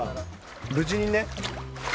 無事にね。